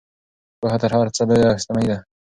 پوهه تر هر څه لویه شتمني ده.